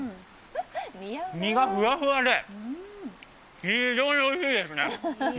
身がふわふわで非常においしいですね。